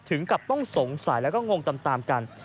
ถึงกับต้องสงสัยแล้วก็งงตามกัน